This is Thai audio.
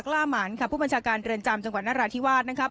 ล่าหมานค่ะผู้บัญชาการเรือนจำจังหวัดนราธิวาสนะครับ